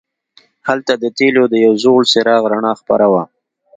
هلته د تیلو د یو زوړ څراغ رڼا خپره وه.